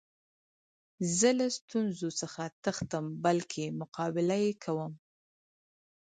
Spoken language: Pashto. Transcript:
زه له ستونزو څخه تښتم؛ بلکي مقابله ئې کوم.